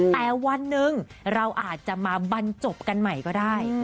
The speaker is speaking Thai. แต่วันหนึ่งเราอาจจะมาบรรจบกันใหม่ก็ได้